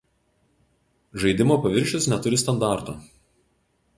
Žaidimo paviršius neturi standarto.